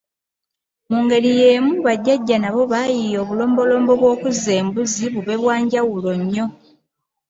Mu ngeri y’emu bajjajja nabo baayiiya obulombolombo bw’okuzza embuzi bube bwa njawulo nnyo.